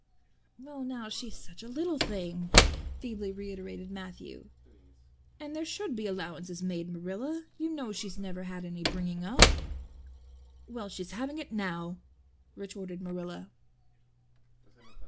"Well now, she's such a little thing," feebly reiterated Matthew. "And there should be allowances made, Marilla. You know she's never had any bringing up." "Well, she's having it now" retorted Marilla.